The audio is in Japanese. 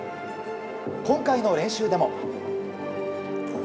今回の練習でも。